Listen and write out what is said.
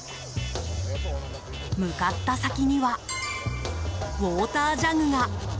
向かった先にはウォータージャグが。